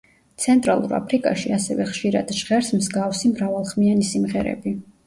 ცენტრალურ აფრიკაში ასევე ხშირად ჟღერს მსგავსი მრავალხმიანი სიმღერები.